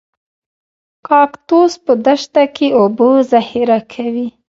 کاکتوس په دښته کې اوبه ذخیره کوي